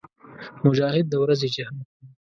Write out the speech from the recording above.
مجاهد د ورځې جهاد کوي.